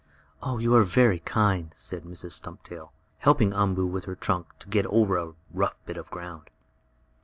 "You are very kind," said Mrs. Stumptail, helping Umboo, with her trunk, to get over a rough bit of ground.